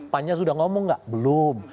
pan nya sudah ngomong nggak belum